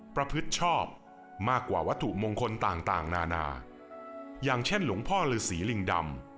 พฤติชอบมากกว่าวัตถุมงคลต่างต่างนานาอย่างเช่นหลวงพ่อฤษีลิงดำ